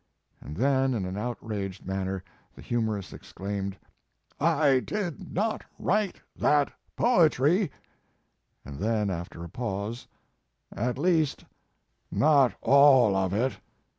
And then, in an out raged manner, the humorist exclaimed: "I did not write that poetry," and then, after a pause, "at least, not all of it."